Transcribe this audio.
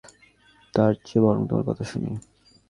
তারচে বরং তোমার কথা শুনি।